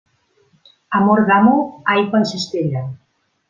Amor d'amo, aigua en cistella.